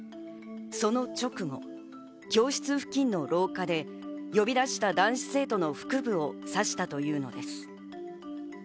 その直後、教室付近の廊下で呼び出した男子生徒の腹部を刺したというのです。